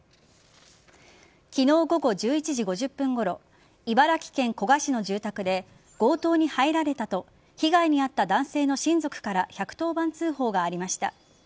昨日午後１１時５０分ごろ茨城県古河市の住宅で強盗に入られたと被害に遭った男性の親族から１１０番通報がありました。